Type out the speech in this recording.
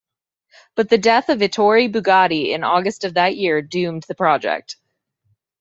But the death of Ettore Bugatti in August of that year doomed the project.